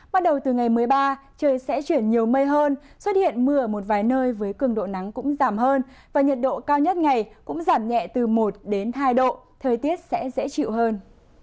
bắt đầu từ ngày một mươi ba trời sẽ chuyển nhiều mây hơn xuất hiện mưa ở một vài nơi với cường độ nắng cũng giảm hơn và nhiệt độ cao nhất ngày cũng giảm nhẹ từ một hai độ thời tiết sẽ dễ chịu hơn